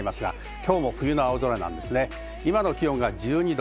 今の気温が１２度。